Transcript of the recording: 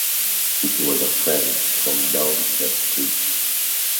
It was a friend from down the street.